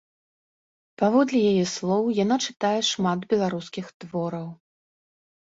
Паводле яе слоў, яна чытае шмат беларускіх твораў.